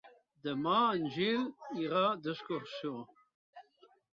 Demà en Gil irà d'excursió.